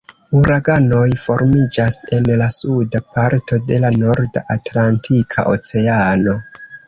Uraganoj formiĝas en la suda parto de la Norda Atlantika Oceano.